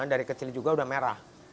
dari kecil juga udah merah